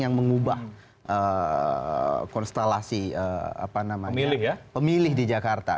yang mengubah konstelasi pemilih di jakarta